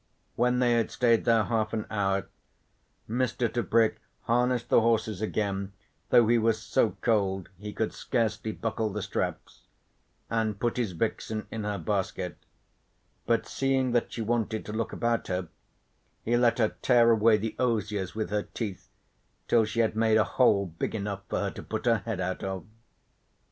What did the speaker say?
When they had stayed there half an hour Mr. Tebrick harnessed the horses again, though he was so cold he could scarcely buckle the straps, and put his vixen in her basket, but seeing that she wanted to look about her, he let her tear away the osiers with her teeth till she had made a hole big enough for her to put her head out of.